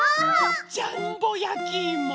ジャンボやきいも。